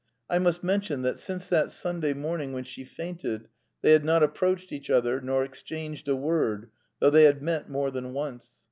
I must mention that since that Sunday morning when she fainted they had not approached each other, nor exchanged a word, though they had met more than once.